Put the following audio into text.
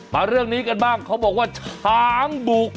เรื่องนี้กันบ้างเขาบอกว่าช้างบุก